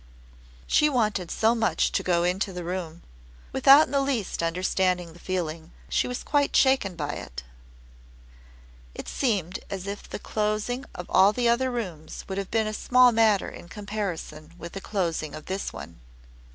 She wanted so much to go into the room. Without in the least understanding the feeling, she was quite shaken by it. It seemed as if the closing of all the other rooms would have been a small matter in comparison with the closing of this one.